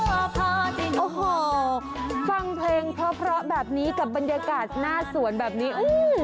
โอ้ฮ่าฟังเพลงเพราะแบบนี้กับบรรยากาศหน้าสวนแบบนี้อื้ม